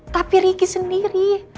tapi ricky sendiri